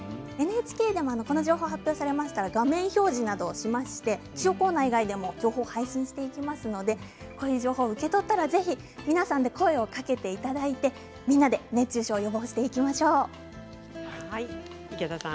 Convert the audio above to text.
ＮＨＫでもこの情報が発表されましたら画面表示などしまして気象コーナー以外でも情報を発信していきますのでこういう情報を受け取ったらぜひ皆さんで声をかけていただいてみんなで熱中症の予防していきましょう。